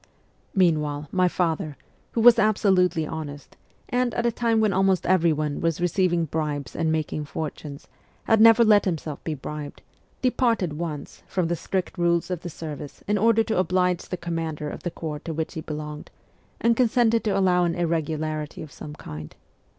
Meanwhile, my father, who was absolutely honest, and, at a time when almost every one was receiving bribes and making fortunes, had never let himself be bribed, departed once from the strict rules of the service in order to oblige the commander of the corps to which he belonged, and consented to allow an irregularity of some kind.